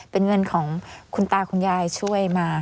เป็นเงินของคุณตาคุณยายช่วยมา